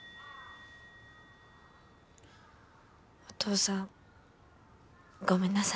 お父さん。